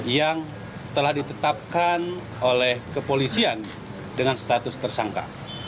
yang telah ditetapkan oleh kepolisian dengan status tersangka